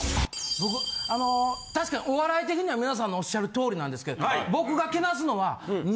僕あの確かにお笑い的には皆さんのおっしゃる通りなんですけども。